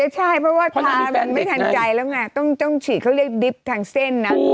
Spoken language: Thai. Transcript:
ใช่เพราะว่าทามันไม่ทันใจแล้วไงต้องฉีดเขาเรียกดิบทางเส้นนะ